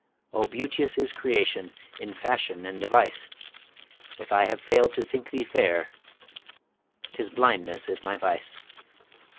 O beauteous is creation, in fashion and device! If I have fail'd to think thee fair, 'tis blindness is my vice.